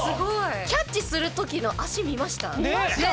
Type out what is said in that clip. キャッチする時の見ました。